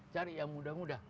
cari yang mudah mudah